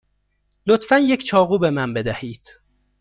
لطفا یک چاقو به من بدهید.